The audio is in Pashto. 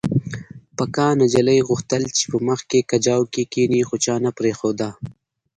پکه نجلۍ غوښتل چې په مخکې کجاوو کې کښېني خو چا نه پرېښوده